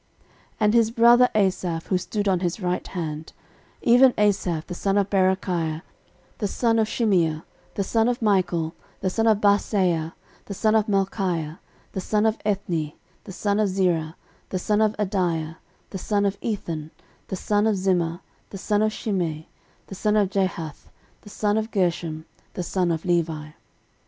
13:006:039 And his brother Asaph, who stood on his right hand, even Asaph the son of Berachiah, the son of Shimea, 13:006:040 The son of Michael, the son of Baaseiah, the son of Malchiah, 13:006:041 The son of Ethni, the son of Zerah, the son of Adaiah, 13:006:042 The son of Ethan, the son of Zimmah, the son of Shimei, 13:006:043 The son of Jahath, the son of Gershom, the son of Levi.